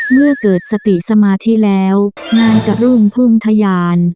เมื่อเกิดสติสมาธิแล้วงานจะรุ่งพุ่งทะยาน